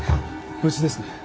無事ですね？